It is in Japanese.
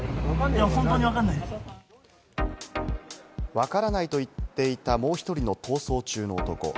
わからないと言っていた、もう１人の逃走中の男。